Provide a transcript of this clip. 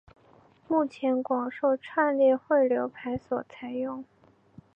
目前广受串列汇流排所采用。